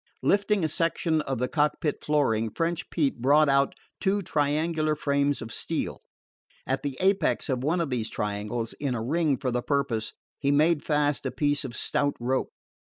Lifting a section of the cockpit flooring, French Pete brought out two triangular frames of steel. At the apex of one of these triangles; in a ring for the purpose, he made fast a piece of stout rope.